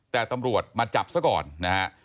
แต่ตำรวจมาจับซะก่อนนะฮะ